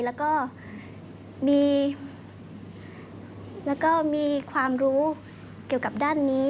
แล้วก็มีความรู้เกี่ยวกับด้านนี้